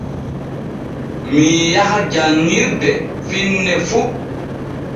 Mii yaha janŋirde finne fu.